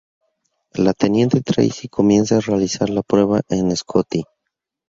La teniente Tracy comienza a realizar la prueba en Scotty.